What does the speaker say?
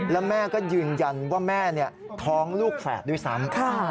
แล้วแม่ก็ยืนยันว่าแม่ท้องลูกแฝดด้วยซ้ำ